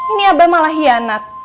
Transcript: ini abah malah hianat